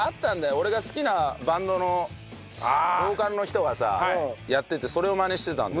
俺が好きなバンドのボーカルの人がさやっててそれをマネしてたんだよ。